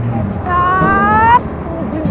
gue kecap ngapain sih ngikutin